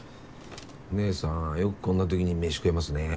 姐さんよくこんなときに飯食えますね。